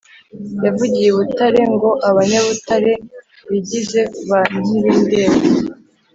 yavugiye i Butare ngo Abanyabutare bigize ba ntibindeba